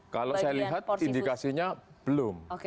kalau saya lihat indikasinya belum